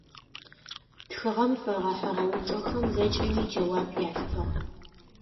Тхыгъэм фэгъэхьыгъэ упчӏэхэм зэкӏэми джэуап ястыгъ.